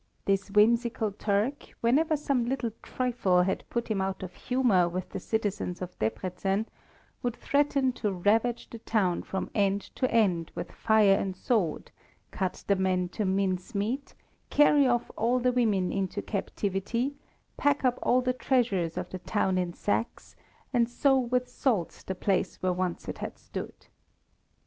This whimsical Turk, whenever some little trifle had put him out of humour with the citizens of Debreczen, would threaten to ravage the town from end to end with fire and sword, cut the men to mincemeat, carry off all the women into captivity, pack up all the treasures of the town in sacks, and sow with salt the place where once it had stood.